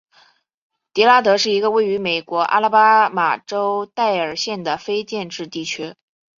迪拉德是一个位于美国阿拉巴马州戴尔县的非建制地区。